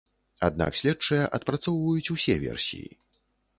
Аднак следчыя адпрацоўваюць усе версіі.